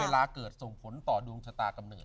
เกิดส่งผลต่อดวงชะตากำเนิด